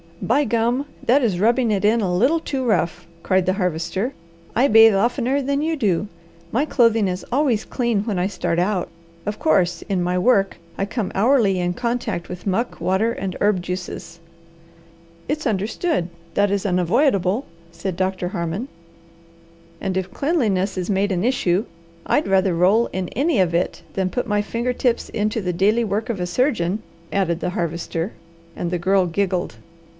"By gum, that is rubbing it in a little too rough!" cried the Harvester. "I bathe oftener than you do. My clothing is always clean when I start out. Of course, in my work I come hourly in contact with muck, water, and herb juices." "It's understood that is unavoidable," said Doctor Harmon. "And if cleanliness is made an issue, I'd rather roll in any of it than put my finger tips into the daily work of a surgeon," added the Harvester, and the Girl giggled.